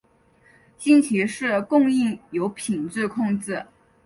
新奇士供应有品质控制。